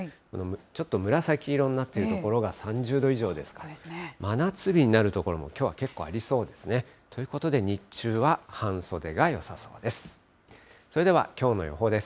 ちょっと紫色になっている所が３０度以上ですから、真夏日になる所もきょうは結構ありそうですね。ということで、日中は半袖がよさそうです。